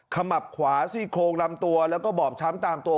ขมับขวาซี่โครงลำตัวแล้วก็บอบช้ำตามตัว